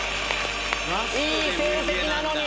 いい成績なのに！